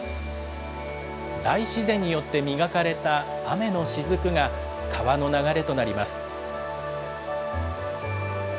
大自然によって磨かれた雨のしずくが、川の流れとなります。